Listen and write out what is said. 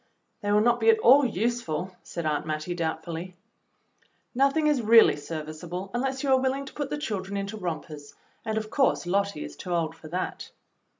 "They will not be at all useful," said Aunt Mattie doubtfully. "Nothing is really serviceable, unless you are will THE PLAID DRESS S3 ing to put the children into rompers, and of course Lottie is too old for that."